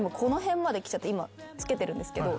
今つけてるんですけど。